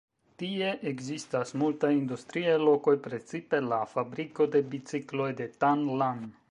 Tie ekzistas multaj industriaj lokoj, precipe la fabriko de bicikloj de Tan Lan.